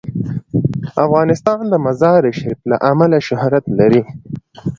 افغانستان د مزارشریف له امله شهرت لري.